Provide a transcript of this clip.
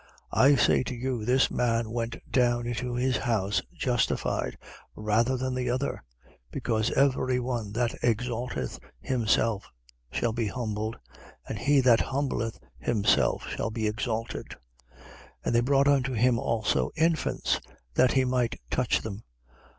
18:14. I say to you, this man went down into his house justified rather than the other: because every one that exalteth himself shall be humbled: and he that humbleth himself shall be exalted. 18:15. And they brought unto him also infants, that he might touch them.